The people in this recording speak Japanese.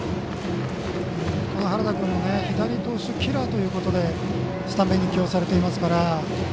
原田君も左投手キラーということでスタメンに起用されていますから。